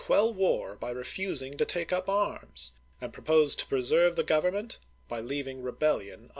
queU war by refusing to take up arms; and pro posed to preserve the Government by leaving rebellion unchecked.